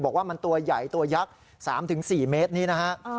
บอกว่ามันตัวใหญ่ตัวยักษ์๓๔เมตรนี้นะฮะ